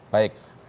baik pak romi